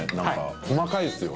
細かいですよね。